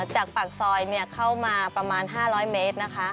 จากปากซอยเข้ามาประมาณ๕๐๐เมตรนะคะ